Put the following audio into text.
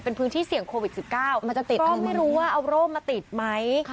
เป็นพื้นที่เสี่ยงโควิดสิบเก้าก็ไม่รู้ว่าเอาร่มมาติดไหม